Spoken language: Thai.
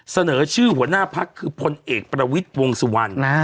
เสนอชื่อหัวหน้าพักคือพลเอกประวิทย์วงสุวรรณ